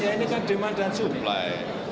ya ini kan demand dan supply